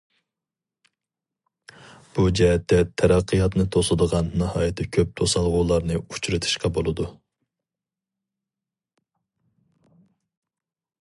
بۇ جەھەتتە تەرەققىياتنى توسىدىغان ناھايىتى كۆپ توسالغۇلارنى ئۇچرىتىشقا بولىدۇ.